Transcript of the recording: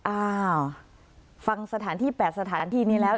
อ้าวฟังสถานที่๘สถานที่นี้แล้ว